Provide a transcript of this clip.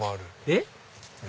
えっ？